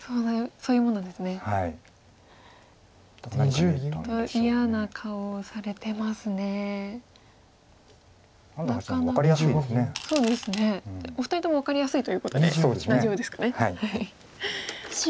そうですねお二人とも分かりやすいということで大丈夫ですかね。